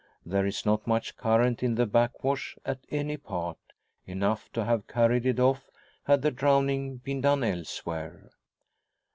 There is not much current in the backwash at any part; enough to have carried it off had the drowning been done elsewhere.